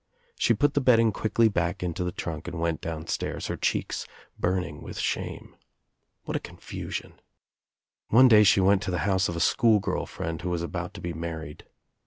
She put the bedding quickly back into the trunk and went down stairs, her cheeks burning with shame. What a confusion 1 One day she went to the house of a schoolgirl friend who was about to be married.